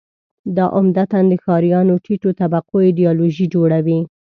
دا عمدتاً د ښاریانو ټیټو طبقو ایدیالوژي جوړوي.